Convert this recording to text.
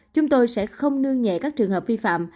chúng tôi sẽ không nương nhẹ các trường hợp vi phạm